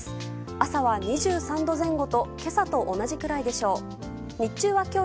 朝は２３度前後と今朝と同じくらいでしょう。